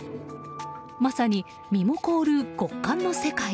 まさに身も凍る極寒の世界。